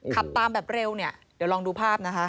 ขับตามแบบเร็วเนี่ยเดี๋ยวลองดูภาพนะคะ